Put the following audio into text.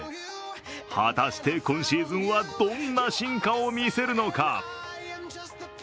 果たして今シーズンはどんな進化を見せるのか。